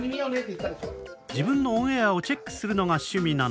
自分のオンエアをチェックするのが趣味なのだ。